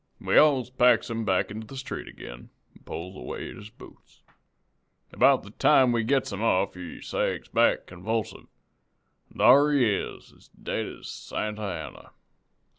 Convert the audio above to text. "We alls packs him back into the street ag'in, an' pulls away at his boots. About the time we gets 'em off he sags back convulsive, an' thar he is as dead as Santa Anna.